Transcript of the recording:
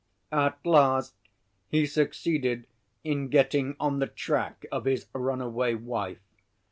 At last he succeeded in getting on the track of his runaway wife.